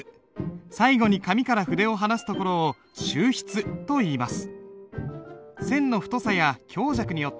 最後に紙から筆を離すところを収筆といいます。